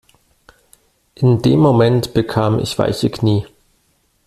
In dem Moment bekam ich weiche Knie.